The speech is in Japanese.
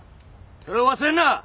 それを忘れるな！